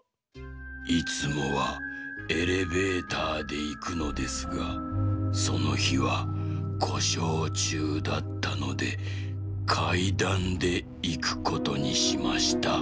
「いつもはエレベーターでいくのですがそのひはこしょうちゅうだったのでかいだんでいくことにしました。